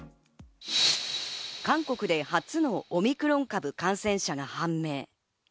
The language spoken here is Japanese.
韓国で初のオミクロン株感染者が判明。